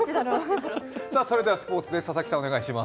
それではスポーツです。